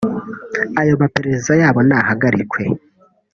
Ayo maperereza yabo nahagarikwe